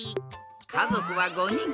かぞくは５にん。